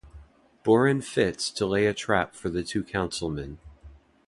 Buron Fitts to lay a trap for the two councilmen.